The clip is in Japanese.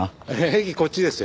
駅こっちですよ。